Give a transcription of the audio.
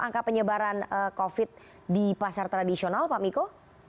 angka penyebaran covid di pasar tradisional pak miko